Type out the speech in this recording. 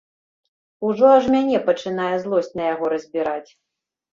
Ужо аж мяне пачынае злосць на яго разбіраць.